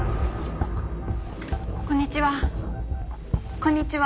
こんにちは。